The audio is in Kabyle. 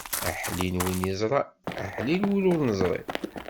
Aḥlil win iẓran, aḥlil win ur neẓri.